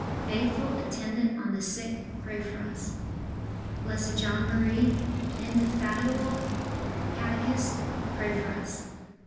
faithful attendant on the sick, pray for us. B. J. M., indefatigable catechist, pray for us.